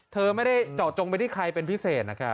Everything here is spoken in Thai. เธอไม่ได้เจาะจงไปที่ใครเป็นพิเศษนะครับ